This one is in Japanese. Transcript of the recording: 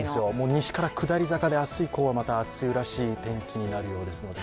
西から下り坂で明日以降は梅雨らしい天気になるそうなので。